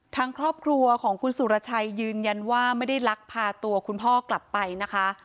ทางครอบครัวของคุณสุรชัยยืนยันว่าไม่ได้ลักพาตัวคุณพ่อกลับไปนะคะ